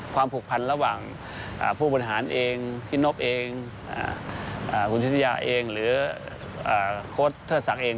ความผูกพันระหว่างผู้บริหารเองฮิลโนปเองคุณพิทยาเองหรือโค้ดเทอร์สักเอง